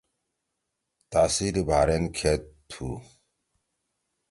تحصیل بحرین کھید تُھو؟